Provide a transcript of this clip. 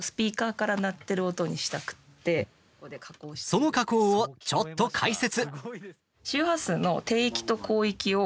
その加工を、ちょっと解説。